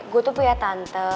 gue tuh punya tante